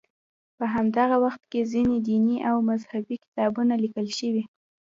په همدغه وخت کې ځینې دیني او مذهبي کتابونه لیکل شوي.